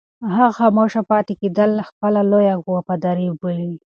هغه خاموشه پاتې کېدل خپله لویه وفاداري بولي.